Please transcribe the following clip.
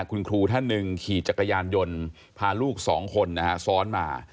คุณครูท่านหนึ่งขี่จักรยานยนต์พาลูกสองคนนะฮะซ้อนมา